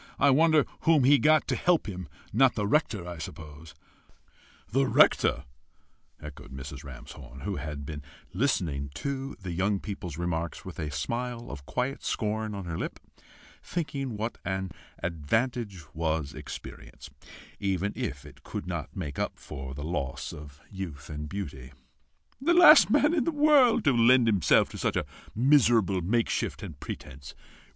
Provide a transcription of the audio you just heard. I wonder whom he got to help him not the rector, I suppose?" "The rector!" echoed Mrs. Ramshorn, who had been listening to the young people's remarks with a smile of quiet scorn on her lip, thinking what an advantage was experience, even if it could not make up for the loss of youth and beauty "The last man in the world to lend himself to such a miserable makeshift and pretence!